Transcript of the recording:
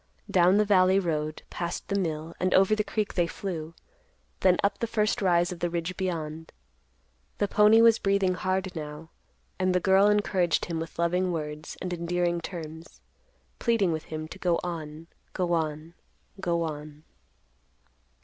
Down the valley road, past the mill, and over the creek they flew; then up the first rise of the ridge beyond. The pony was breathing hard now, and the girl encouraged him with loving words and endearing terms; pleading with him to go on, go on, go on.